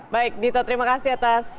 baik dito terima kasih atas